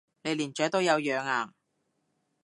你連雀都有養啊？